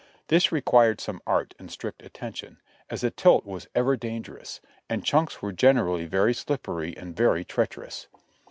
This required some art and strict attention, as a tilt was ever dangerous, and chunks were generally very slippery and very treacherous.